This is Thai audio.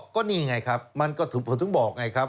ก็นี่ไงครับมันก็ถึงบอกไงครับ